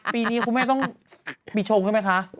ปีนี้คุณแม่ต้องปีชงใช่ไหมคะ